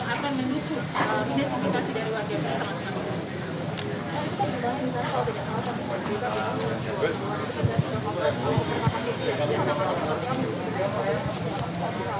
kondisi dari keluarga yang ingin mengetahui kondisi dari keluarga